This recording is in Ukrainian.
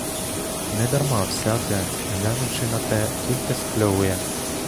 Недарма всяке, глянувши на те, тільки спльовує.